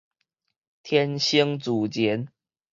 天生自然